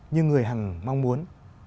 như người hằng mong muốn